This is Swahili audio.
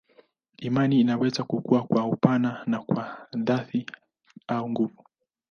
Imani inaweza kukua kwa upana na kwa dhati au nguvu.